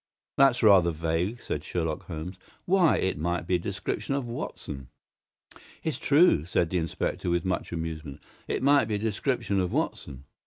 "That's rather vague," said Sherlock Holmes. "Why, it might be a description of Watson!" "It's true," said the inspector, with much amusement. "It might be a description of Watson."